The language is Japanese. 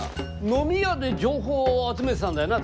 飲み屋で情報を集めてたんだよな？